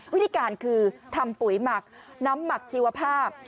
วิธีการคือทำปุ๋ยหมักน้ำหมักชีวภาพ